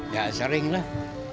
ya sering lah